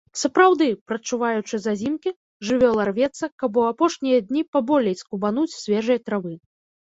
Сапраўды, прадчуваючы зазімкі, жывёла рвецца, каб у апошнія дні паболей скубануць свежай травы.